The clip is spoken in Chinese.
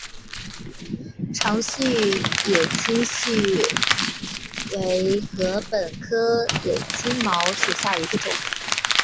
长序野青茅为禾本科野青茅属下的一个种。